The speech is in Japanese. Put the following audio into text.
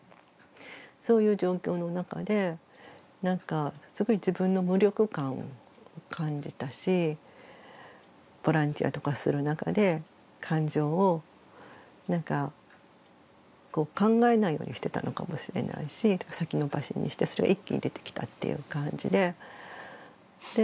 そういう状況の中ですごい自分の無力感を感じたしボランティアとかする中で感情をなんか考えないようにしてたのかもしれないしだから先延ばしにしてそれが一気に出てきたっていう感じで。